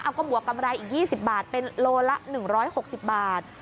เอาก็บวกกำไรอีก๒๐บาทเป็นโลละ๑๖๐บาท